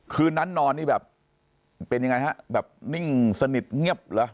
คืนนั้นนอนเป็นยังไงครับแบบนิ่งสนิทเงียบละ